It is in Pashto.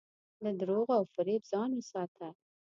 له دروغو او فریب ځان وساته.